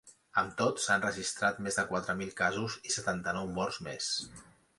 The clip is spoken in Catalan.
Amb tot, s’han registrat més de quatre mil casos i setanta-nou morts més.